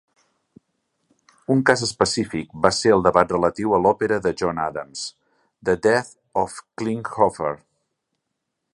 Un cas específic va ser el debat relatiu a l'òpera de John Adams, "The Death of Klinghoffer".